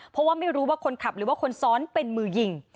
เพราะว่าไม่รู้ว่าคนขับหรือว่าคนซ้อนเป็นมือยิง